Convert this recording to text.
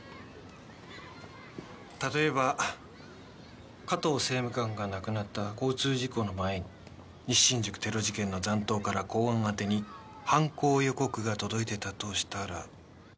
例えば加藤政務官が亡くなった交通事故の前に西新宿テロ事件の残党から公安宛てに犯行予告が届いてたとしたら。